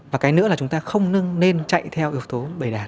và cái nữa là chúng ta không nên chạy theo yếu tố bày đạt